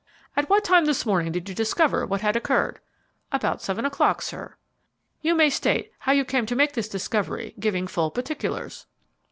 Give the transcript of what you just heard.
"At what time this morning did you discover what had occurred?" "About seven o'clock, sir." "You may state how you came to make this discovery, giving full particulars."